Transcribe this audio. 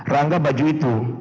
rangga baju itu